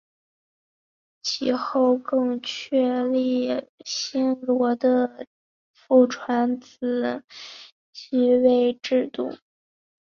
其后更确立新罗的父传子继位制度。